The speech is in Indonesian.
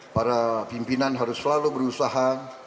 para pimpinan harus selalu berusaha